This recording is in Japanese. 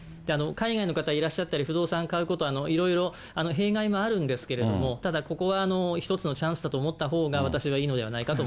海外の方いらっしゃったり、不動産買うこと、いろいろ弊害もあるんですけれども、ただここは一つのチャンスだと思ったほうが私はいいのではないか